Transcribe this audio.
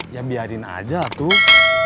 ya biarin aja tuh